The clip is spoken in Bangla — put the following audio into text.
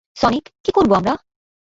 সনিক, কী করব, আমরা?